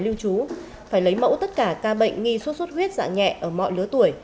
lưu trú phải lấy mẫu tất cả ca bệnh nghi suốt suốt huyết dạng nhẹ ở mọi lứa tuổi